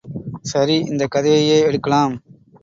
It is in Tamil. சரி இந்தக் கதையையே எடுக்கலாம்.